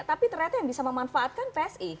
tapi ternyata yang bisa memanfaatkan psi